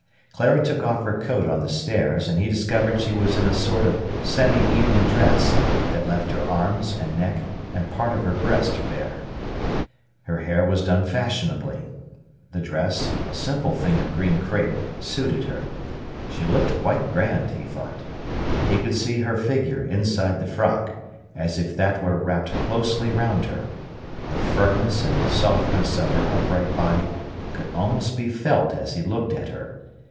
Clara took off her coat on the stairs, and he discovered she was in a sort of semi evening dress, that left her arms and neck and part of her breast bare. Her hair was done fashionably. The dress, a simple thing of green crape, suited her. She looked quite grand, he thought. He could see her figure inside the frock, as if that were wrapped closely round her. The firmness and the softness of her upright body could almost be felt as he looked at her.